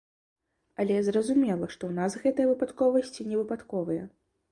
Але, зразумела, што ў нас гэтыя выпадковасці не выпадковыя.